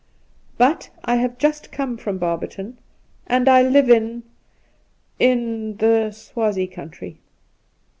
' But I have just come from Barberton, and I live in — in the Swazie country.'